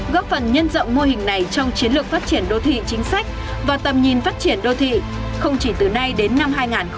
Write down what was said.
góp phần nhân rộng mô hình này trong chiến lược phát triển đô thị chính sách và tầm nhìn phát triển đô thị không chỉ từ nay đến năm hai nghìn ba mươi